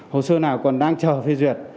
hồ sơ nào còn đang chờ phê duyệt